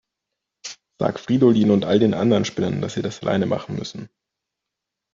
Sag Fridolin und all den anderen Spinnern, dass sie das alleine machen müssen.